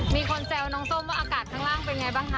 มีคนแซวน้องส้มว่าอากาศข้างล่างเป็นไงบ้างคะ